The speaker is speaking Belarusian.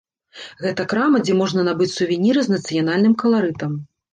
Гэта крама, дзе можна набыць сувеніры з нацыянальным каларытам.